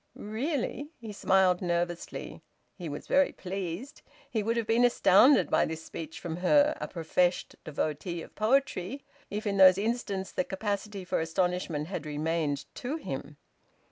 "Really!" He smiled nervously. He was very pleased. He would have been astounded by this speech from her, a professed devotee of poetry, if in those instants the capacity for astonishment had remained to him.